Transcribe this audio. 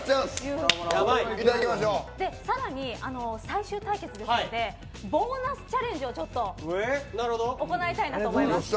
更に、最終対決ですのでボーナスチャレンジを行いたいなと思います。